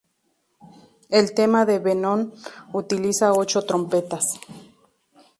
El tema de Venom utiliza ocho trompetas.